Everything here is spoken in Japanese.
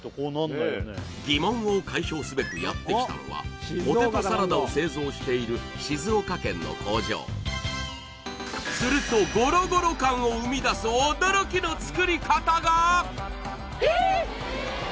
ギモンを解消すべくやってきたのはポテトサラダを製造している静岡県の工場するとゴロゴロ感を生みだす驚きの作り方が！